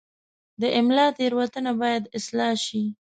د املا تېروتنه باید اصلاح شي.